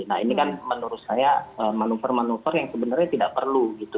nah ini kan menurut saya manuver manuver yang sebenarnya tidak perlu gitu